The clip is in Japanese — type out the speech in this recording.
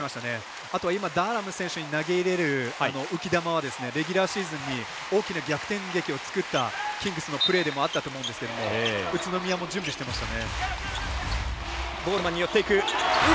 あとダーラム選手に投げ入れる浮き球はレギュラーシーズンに大きな逆転劇を作ったキングスのプレーでもあったとも思うんですが宇都宮も準備してました。